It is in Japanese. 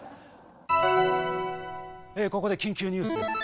ここで緊急ニュースです。